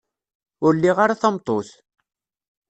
Ur liɣ ara tameṭṭut.